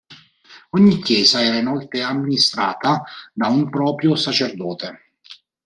Ogni chiesa era inoltre amministrata da un proprio sacerdote.